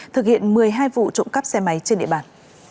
thực hiện một mươi hai vụ trộm cắp xe máy trên địa bàn